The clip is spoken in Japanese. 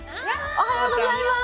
おはようございます。